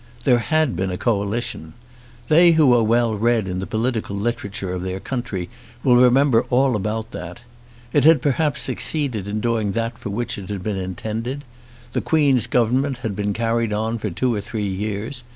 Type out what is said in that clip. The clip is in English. There had been a coalition. They who are well read in the political literature of their country will remember all about that. It had perhaps succeeded in doing that for which it had been intended. The Queen's government had been carried on for two or three years.